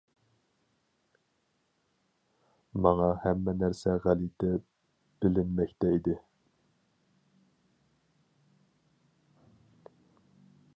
ماڭا ھەممە نەرسە غەلىتە بىلىنمەكتە ئىدى.